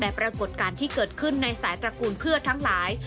แต่ปรากฏการณ์ที่เกิดขึ้นในสายตระกูลเพื่อทั้งหลาย